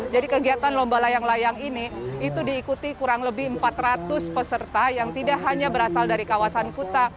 jadi kegiatan lomba layang layang ini itu diikuti kurang lebih empat ratus peserta yang tidak hanya berasal dari kawasan kuta